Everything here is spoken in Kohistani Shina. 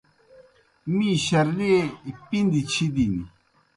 می شرلِیئے پِندیْ چِھدِن۔